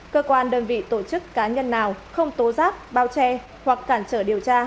cơ quan đơn vị tổ chức cá nhân nào không tố giác bao che hoặc cản trở điều tra